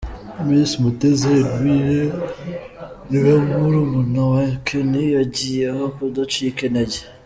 Miss Mutesi Eduige ni we murumuna we Kenny yigiyeho kudacika intege.